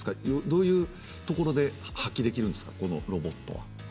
どういうところで発揮できるんですかこのロボットは。